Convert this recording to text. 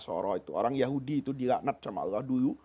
orang yahudi itu dilaknat sama allah dulu